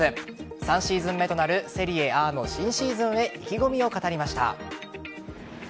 ３シーズン目となるセリエＡの新シーズンへ意気込みを語りました。